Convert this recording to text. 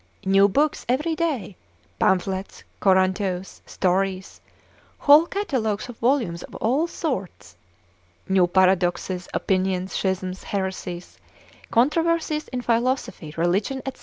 New books every day, pamphlets, corantoes, stories, whole catalogues of volumes of all sorts, new paradoxes, opinions, schisms, heresies, controversies in philosophy, religion, &c.